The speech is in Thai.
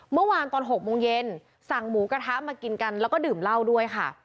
เมื่อวานตอน๖โมงเย็นสั่งหมูกระทะมากินกันแล้วก็ดื่มเหล้าด้วยค่ะ